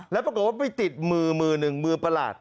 แล้วปรากฏว่าไปติดมือมือหนึ่งมือประหลาด